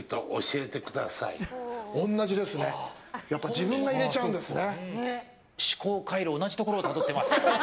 自分が入れちゃうんですね。